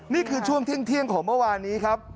นี่คือช่วงเที่ยงของเมื่อวานนี้ครับ